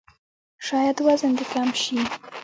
شاید وزن دې کم شي!